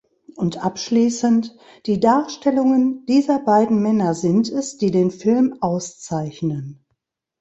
Und abschließend: „Die Darstellungen dieser beiden Männer sind es, die den Film auszeichnen.